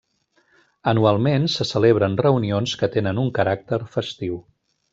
Anualment se celebren reunions que tenen un caràcter festiu.